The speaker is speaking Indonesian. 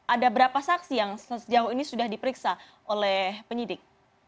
ada berapa saksi yang sejauh ini sudah diperiksa oleh penyidik